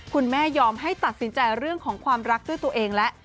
ไม่ยอมให้ตัดสินใจเรื่องของความรักด้วยตัวเองแล้ว